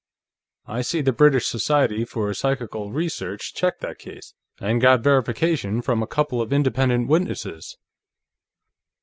"I see the British Society for Psychical Research checked that case, and got verification from a couple of independent witnesses.